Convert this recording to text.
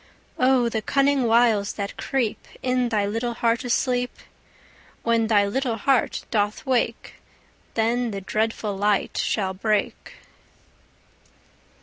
O the cunning wiles that creep In thy little heart asleep! When thy little heart doth wake, Then the dreadful light shall break.